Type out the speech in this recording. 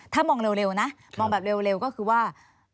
ถ้ามองเร็วนะมองแบบเร็วก็คือว่า